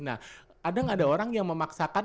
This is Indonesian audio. nah ada gak ada orang yang memaksakan